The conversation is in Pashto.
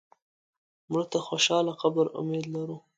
مړه ته د خوشاله قبر امید لرو